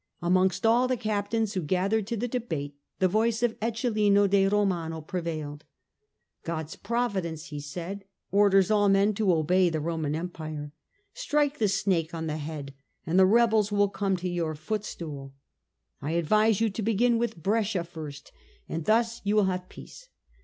Amongst all the captains who gathered to the debate, the voice of Eccelin de Romano prevailed. " God's Providence," he said, " orders all men to obey the Roman Empire. Strike the snake on the head and the rebels will come to your footstool. I advise you to begin with Brescia first, and thus you will have peace.